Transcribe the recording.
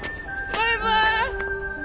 バイバイ！